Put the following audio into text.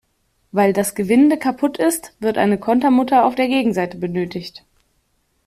Weil das Gewinde kaputt ist, wird eine Kontermutter auf der Gegenseite benötigt.